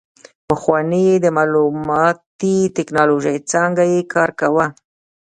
پخوا یې د معلوماتي ټیکنالوژۍ څانګه کې کار کاوه.